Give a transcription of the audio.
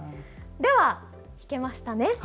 では、弾けましたね。